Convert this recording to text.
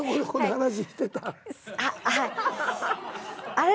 あれ？